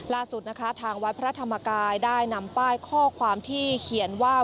ล่าสุดนะคะทางวัดพระธรรมกายได้นำป้ายข้อความที่เขียนว่า